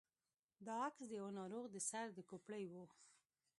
دا عکس د يوه ناروغ د سر د کوپړۍ و.